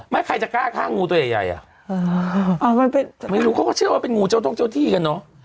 ไม่ใครจะกล้าฆ่างูตัวเองใหญ่ไม่รู้เขาก็เชื่อว่าเป็นงูเจ้าต้องเจ้าที่กันเนอะ